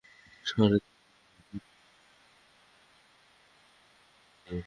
শহরের ঠিক বাহিরেই অল্প একটু বাগানওয়ালা একটি দোতলা বাড়িতে সকলে গিয়া উঠিলেন।